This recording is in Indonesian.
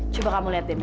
coba kamu liat deh mil